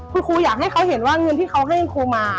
คุณครูอยากให้เขาเห็นว่าเงินที่เขาให้คุณครูมา